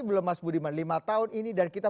belum mas budiman lima tahun ini dan kita